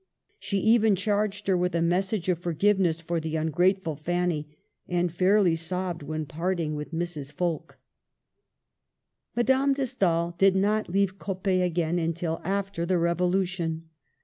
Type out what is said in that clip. She even charged her with a message of forgive ness for the ungrateful Fanny, and fairly sobbed when parting with Mrs. Folk* Madame de Stael did not leave Coppet again until after the Revolution.